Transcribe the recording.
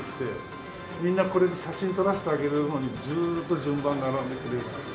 みんなこれで写真を撮らせてあげるのにずっと順番並んでくれます。